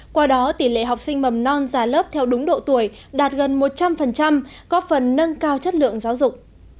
qua đó tỷ lệ học sinh mầm non ra lớp theo đúng độ tuổi đạt gần một trăm linh góp phần nâng cao chất lượng giáo dục